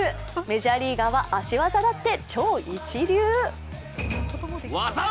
メジャーリーガーは足技だって超一流。